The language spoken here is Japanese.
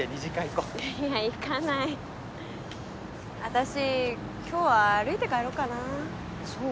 こういや行かない私今日は歩いて帰ろうかなそう？